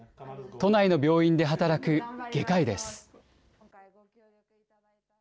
都内の病院で働く外科医です。